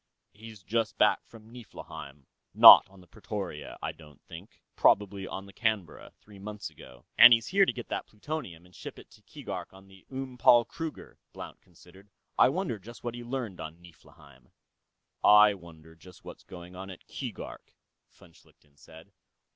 "He's just come back from Niflheim. Not on the Pretoria, I don't think. Probably on the Canberra, three months ago." "And he's here to get that plutonium, and ship it to Keegark on the Oom Paul Kruger," Blount considered. "I wonder just what he learned, on Niflheim." "I wonder just what's going on at Keegark," von Schlichten said.